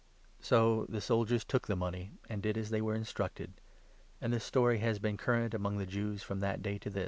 So the soldiers took the money, and did as they were 15 instructed. And this story has been current among the Jews from that day to this.